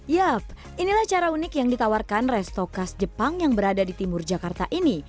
yap inilah cara unik yang ditawarkan resto khas jepang yang berada di timur jakarta ini